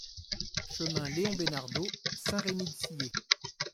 Chemin Léon Besnardeau, Saint-Rémy-de-Sillé